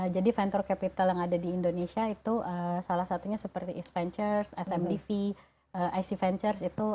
jadi venture capital yang ada di indonesia itu salah satunya seperti east ventures smdv ic ventures